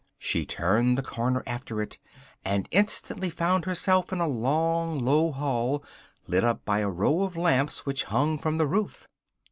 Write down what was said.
She turned the corner after it, and instantly found herself in a long, low hall, lit up by a row of lamps which hung from the roof.